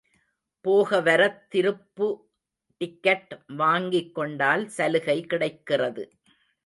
போகவரத் திருப்பு டிக்கட் வாங்கிக்கொண்டால் சலுகை கிடைக்கிறது.